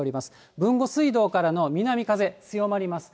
豊後水道からの南風、強まります。